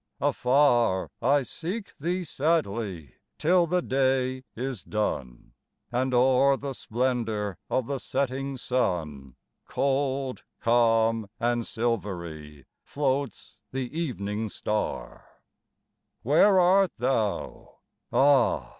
Afar I seek thee sadly, till the day is done, And o'er the splendour of the setting sun, Cold, calm, and silvery, floats the evening star; Where art thou? Ah!